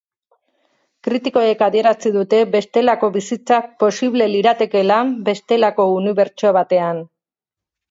Kritikoek adierazi dute bestelako bizitzak posible liratekeela bestelako unibertso batean.